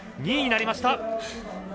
２位になりました。